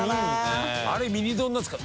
あれミニ丼なんですか？